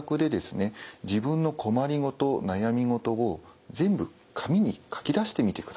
自分の困り事悩み事を全部紙に書き出してみてください。